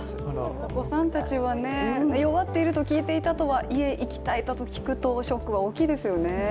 お子さんたちは、弱っていると聞いていたとはいえ息絶えたと聞くとショックが大きいですよね。